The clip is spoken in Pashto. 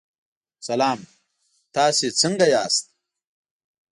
سلام، تاسو څنګه یاست؟